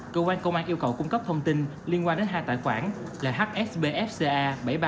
cơ quan công an yêu cầu cung cấp thông tin liên quan đến hai tài khoản là hsbfca bảy nghìn ba trăm bảy mươi một